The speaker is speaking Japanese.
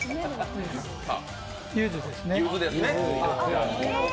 ゆずですね。